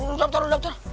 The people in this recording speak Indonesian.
udah daftar udah daftar